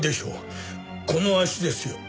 この足ですよ？